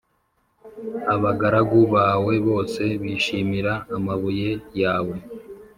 abagaragu bawe bose bishimira amabuye yawe